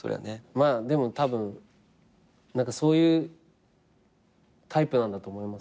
まあでもたぶんそういうタイプなんだと思います。